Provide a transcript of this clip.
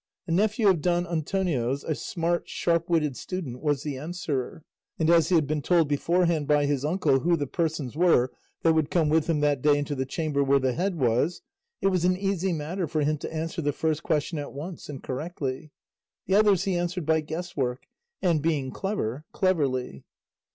A nephew of Don Antonio's, a smart sharp witted student, was the answerer, and as he had been told beforehand by his uncle who the persons were that would come with him that day into the chamber where the head was, it was an easy matter for him to answer the first question at once and correctly; the others he answered by guess work, and, being clever, cleverly.